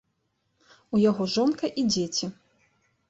У яго жонка і дзеці.